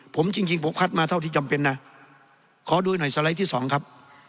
ผมจริงผมคัดมาเท่าที่จำเป็นนะขอดูหน่อยสไลด์ที่สองครับ